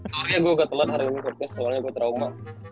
soalnya gue ke telan hari ini percaya soalnya gue trauma